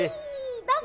どうも！